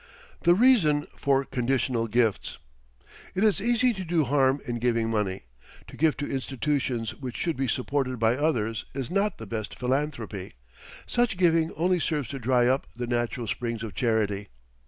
THE REASON FOR CONDITIONAL GIFTS It is easy to do harm in giving money. To give to institutions which should be supported by others is not the best philanthropy. Such giving only serves to dry up the natural springs of charity.